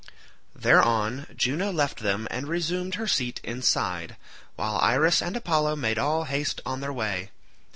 Thereon Juno left them and resumed her seat inside, while Iris and Apollo made all haste on their way.